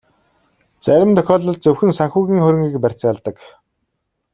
Зарим тохиолдолд зөвхөн санхүүгийн хөрөнгийг барьцаалдаг.